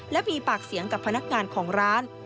และมีปากเสียงกับพนักงานของร้าน